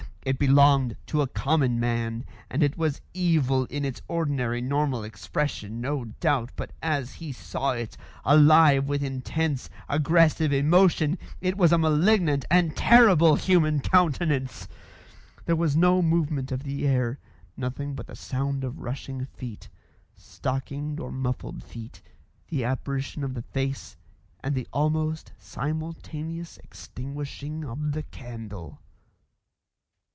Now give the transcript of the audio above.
It belonged to a common man, and it was evil in its ordinary normal expression, no doubt, but as he saw it, alive with intense, aggressive emotion, it was a malignant and terrible human countenance. There was no movement of the air; nothing but the sound of rushing feet stockinged or muffled feet; the apparition of the face; and the almost simultaneous extinguishing of the candle.